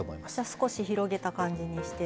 少し広げた感じにして。